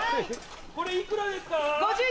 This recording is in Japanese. これ幾らですか？